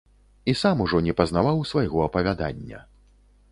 І сам ужо не пазнаваў свайго апавядання.